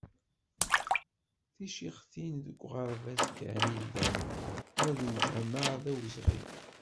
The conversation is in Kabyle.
Ticixtin deg uɣerbaz kan i llant, ma deg lǧameɛ d awezɣi.